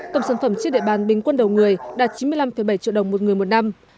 tổng sản phẩm trên địa bàn bình quân đầu người đạt chín mươi năm bảy triệu đồng một người một năm